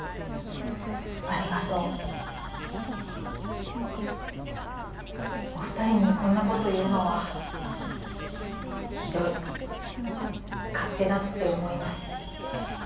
ありがとうお二人にこんなこと言うのは「ひどい勝手だ」って思います